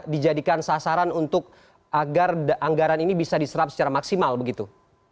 dijadikan sasaran untuk agar anggaran ini bisa diserap secara maksimal begitu